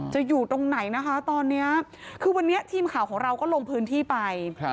อยู่ตรงไหนนะคะตอนนี้คือวันนี้ทีมข่าวของเราก็ลงพื้นที่ไป